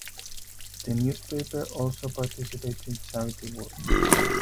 The newspaper also participates in charity work.